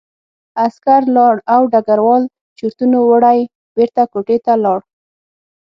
عسکر لاړ او ډګروال چورتونو وړی بېرته کوټې ته لاړ